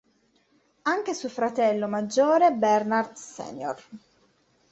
Anche suo fratello maggiore Bernard sr.